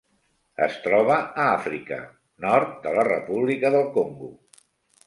Es troba a Àfrica: nord de la República del Congo.